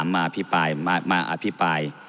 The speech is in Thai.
มาอภิปราย